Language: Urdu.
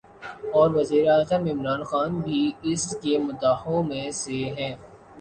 اور وزیراعظم عمران خان بھی اس کے مداحوں میں سے ہیں